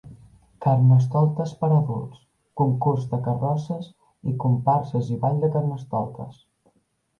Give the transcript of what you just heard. Carnestoltes per adults: concurs de carrosses i comparses i ball de carnestoltes.